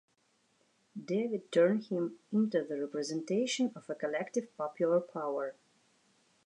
David turned him into the representation of a collective, popular power.